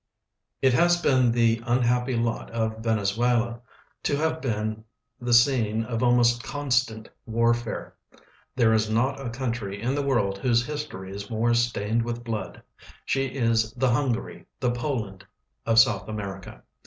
It has been the unhapjiy lot of Venezuela to have been the scene of almost constant warfare. There is not a country in the world whose history is more stained with blood. She is tlie Hungary, the Poland, of South America.